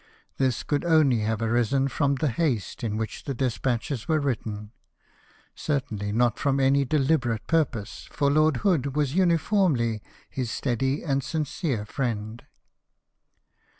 This could only have arisen from the 72 LIFE OF NELSON. haste in which the despatches were written ; certainly not from any dehberate purpose, for Lord Hood was uniformly his steady and sincere friend.